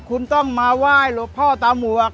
คุณต้องมาไหว้หลวงพ่อตามวก